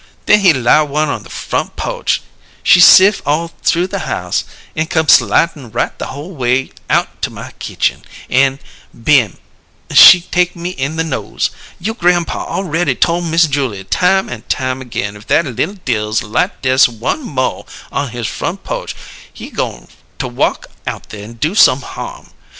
When he light one on the front po'che, she sif' all through the house, an' come slidin' right the whole way out to my kitchen, an' bim! she take me in the nose! You' grampaw awready tole Miss Julia time an' time again if that li'l Dills light dess one mo' on his front po'che he goin' to walk out there an' do some harm!